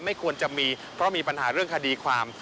ไม่ควรจะมีเพราะมีปัญหาเรื่องคดีความ